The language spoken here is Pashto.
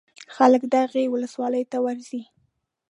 خلک دغې ولسوالۍ ته ورځي.